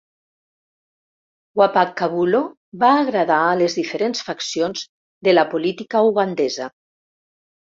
Wapakhabulo va agradar a les diferents faccions de la política ugandesa.